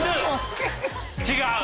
違う。